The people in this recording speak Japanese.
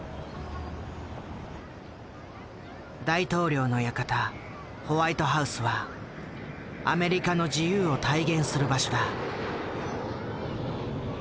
大統領の館ホワイトハウスはアメリカの自由を体現する場所だ。